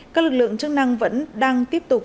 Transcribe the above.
các lực lượng chức năng vẫn đang tiếp tục